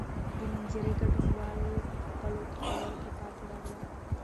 د مناظرې ګډونوال په خپلو خبرو کې پاتې راغلل.